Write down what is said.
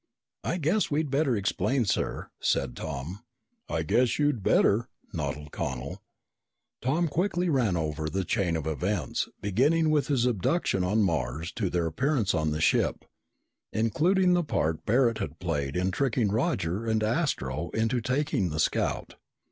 "I guess we'd better explain, sir," said Tom. "I guess you'd better," nodded Connel. Tom quickly ran over the chain of events, beginning with his abduction on Mars to their appearance on the ship, including the part Barret had played in tricking Roger and Astro into taking the scout.